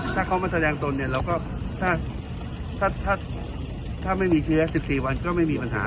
ถ้าเขามาแสดงตนเนี่ยเราก็ถ้าไม่มีเชื้อ๑๔วันก็ไม่มีปัญหา